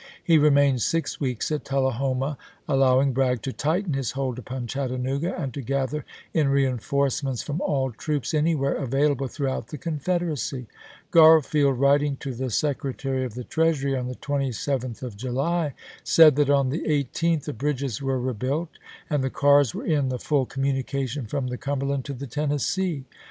He remained six weeks at Tullahoma, allow ing Bragg to tighten his hold upon Chattanooga and to gather in reenforcements from all troops anywhere available throughout the Confederacy. Grarfield, writing to the Secretary of the Treasury on the 27th of July, said that on the 18th the bridges were rebuilt, and the cars were in full com 64 ABRAHAM LINCOLN Chap. III. munication from the Cumberland to the Tennessee.